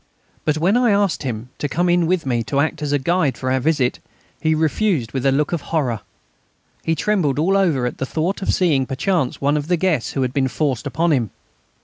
But when I asked him to come in with me, to act as guide for our visit, he refused with a look of horror. He trembled all over at the thought of seeing perchance one of the guests who had been forced upon him.